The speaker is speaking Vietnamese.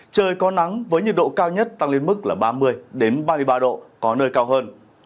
trời có nắng với nhiệt độ cao nhất tăng lên mức ba mươi ba mươi ba độ có nơi cao hơn